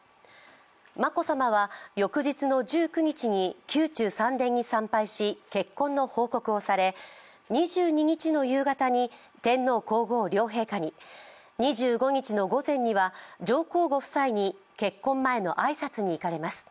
眞子さまは翌日の１９日に宮中三殿に参拝し結婚の報告をされ、２２日の夕方に天皇・皇后両陛下に２５日の午前には上皇ご夫妻に結婚前の挨拶に行かれます。